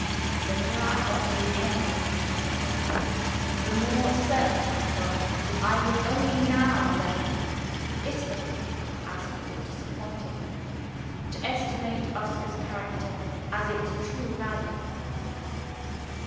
The nearer I got to the end of my journey, the more certain I felt that I was only now learning (bitterly as he had disappointed me) to estimate Oscar's character at its true value.